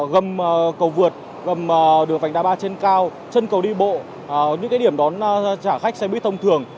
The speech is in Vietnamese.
gầm cầu vượt gầm đường vành đai ba trên cao chân cầu đi bộ những điểm đón trả khách xe buýt thông thường